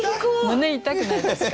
胸痛くないですか？